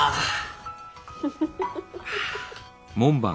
フフフフ。